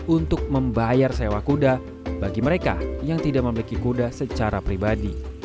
untuk membayar sewa kuda bagi mereka yang tidak memiliki kuda secara pribadi